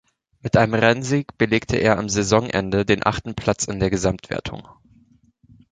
Mit einem Rennsieg belegte er am Saisonende den achten Platz in der Gesamtwertung.